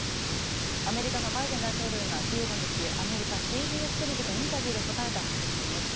アメリカのバイデン大統領が１５日アメリカＣＢＳテレビのインタビューで答えた発言です。